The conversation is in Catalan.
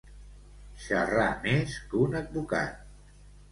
Xerrar més que un advocat.